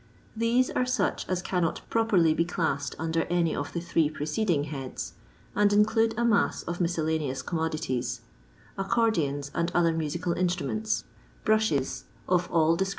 These are such as cannot properly be classed under any of the three preceding heads, and include a mass of ntiscellaneous commodities : Accordions and other musical instruments ; brushes of all LONDON LABOUR AND THE LONDON POOR.